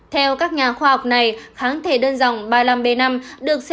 theo các nhà khoa học này kháng thể đơn dòng ba mươi năm b năm được xử lý